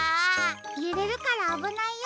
ゆれるからあぶないよ。